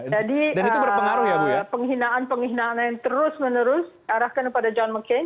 jadi penghinaan penghinaan yang terus menerus arahkan kepada john mccain